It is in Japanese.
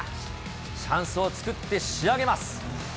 チャンスを作って仕上げます。